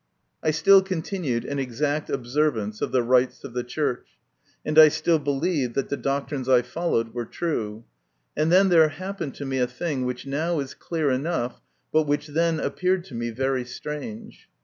I still continued an exact observance of the rites of the Church, and I still believed that the doctrines I followed were true ; and then there happened to me a thing which now is clear enough, but which then appeared to me very strange.